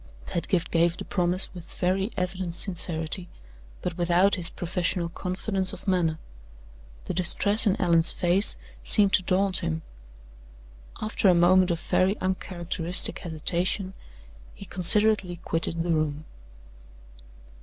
Pedgift gave the promise with very evident sincerity, but without his professional confidence of manner. The distress in Allan's face seemed to daunt him. After a moment of very uncharacteristic hesitation, he considerately quitted the room.